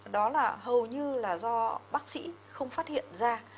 đó là hầu như là do bác sĩ không phát hiện ra